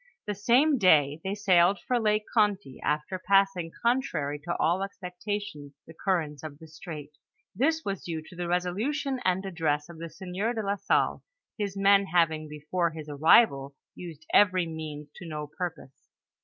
The same day they sailed for Lake Gonty, after passing contrary to all expectations the currents of the strait. This was due to the resolution and address of the sieur de la Salle, his men having before his arrival used every means to no purpose.